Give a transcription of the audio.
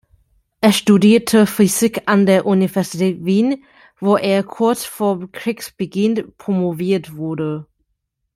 Er studierte Physik an der Universität Wien, wo er kurz vor Kriegsbeginn promoviert wurde.